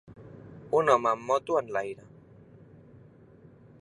Un home amb moto en l'aire.